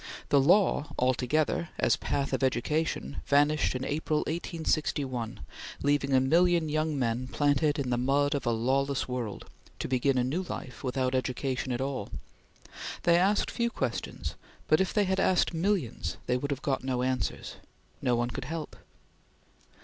The law, altogether, as path of education, vanished in April, 1861, leaving a million young men planted in the mud of a lawless world, to begin a new life without education at all. They asked few questions, but if they had asked millions they would have got no answers. No one could help.